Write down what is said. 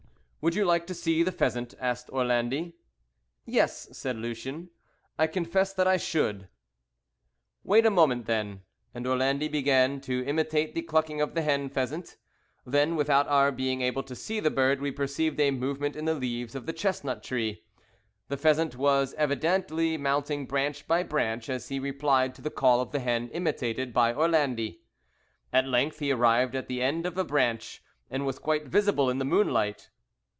"Would you like to see the pheasant?" asked Orlandi. "Yes," said Lucien, "I confess that I should." "Wait a moment, then;" and Orlandi began to imitate the clucking of the hen pheasant. Then, without our being able to see the bird, we perceived a movement in the leaves of the chestnut tree. The pheasant was evidently mounting branch by branch as he replied to the call of the hen imitated by Orlandi. At length he arrived at the end of a branch, and was quite visible in the moonlight.